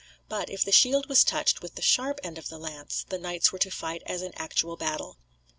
But if the shield was touched with the sharp end of the lance, the knights were to fight as in actual battle.